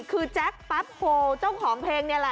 คือแจ๊คปั๊บโพลเจ้าของเพลงนี่แหละ